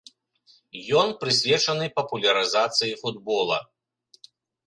Ён прысвечаны папулярызацыі футбола.